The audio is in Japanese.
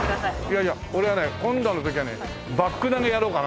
いやいや俺はね今度の時はねバック投げやろうかなと思って。